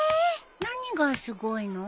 何がすごいの？